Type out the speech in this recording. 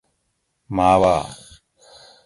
ماوا